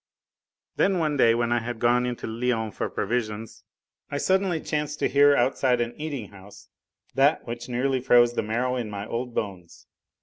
Then one day when I had gone into Lyons for provisions, I suddenly chanced to hear outside an eating house that which nearly froze the marrow in my old bones.